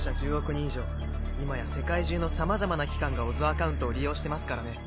人以上今や世界中のさまざまな機関がＯＺアカウントを利用してますからね。